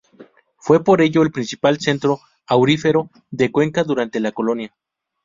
Fue por ello el principal centro aurífero de Cuenca durante la colonia.